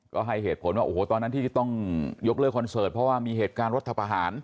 ก็ให้เหตุผลว่าโอ้โหตอนนั้นที่ต้องยกเลิกคอนเสิร์ตเพราะว่ามีเหตุการณ์รัฐประหาร